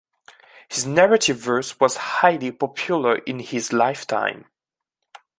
His narrative verse was highly popular in his lifetime.